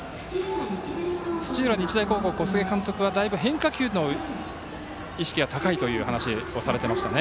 土浦日大高校の小菅監督はだいぶ変化球の意識が高いという話をされていましたね。